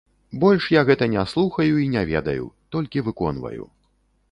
Больш я гэта не слухаю і не ведаю, толькі выконваю.